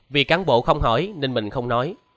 vì cán bộ không hỏi nên mình không nói